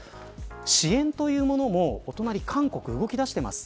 支援というものもお隣韓国で動き出しています。